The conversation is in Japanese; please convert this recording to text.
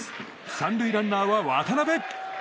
３塁ランナーは渡部。